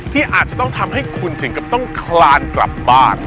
ที่อาจจะต้องทำให้คุณถึงกับต้องคลานกลับบ้าน